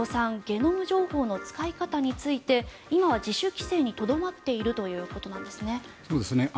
ゲノム情報の使い方について今は自主規制にとどまっているということなんですね。